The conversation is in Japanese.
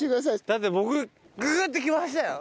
だって僕ググッてきましたよ。